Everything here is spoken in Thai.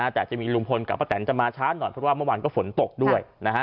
แต่จะมีลุงพลกับป้าแตนจะมาช้าหน่อยเพราะว่าเมื่อวานก็ฝนตกด้วย